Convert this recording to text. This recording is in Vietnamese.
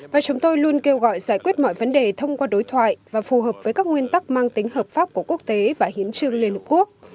và chúng tôi luôn kêu gọi giải quyết mọi vấn đề thông qua đối thoại và phù hợp với các nguyên tắc mang tính hợp pháp của quốc tế và hiến trương liên hợp quốc